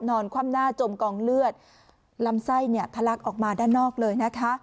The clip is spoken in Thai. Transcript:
คว่ำหน้าจมกองเลือดลำไส้เนี่ยทะลักออกมาด้านนอกเลยนะคะ